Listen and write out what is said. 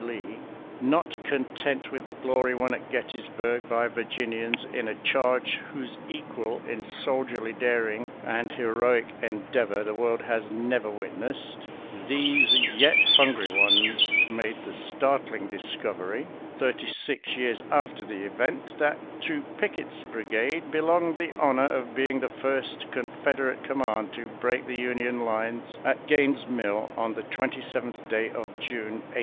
Lee; not content with the glory won at Gettysburg by Vir ginians in a charge whose equal in soldierly dar ing and heroic endeavor the world has never wit nessed, these yet hungry ones made the startling discovery, thirty six years after the event, that to Pickett's brigade belonged the honor of being the first Confederate command to break the Union lin^ at Gaines' Mill, on the 27th day of June, 1862.